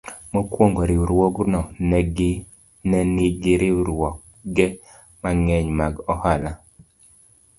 Mokwongo, riwruogno ne nigi riwruoge mang'eny mag ohala.